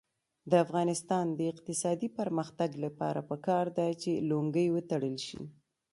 د افغانستان د اقتصادي پرمختګ لپاره پکار ده چې لونګۍ وتړل شي.